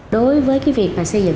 đối với việc xây dựng